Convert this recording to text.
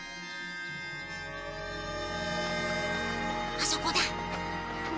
あそこだ。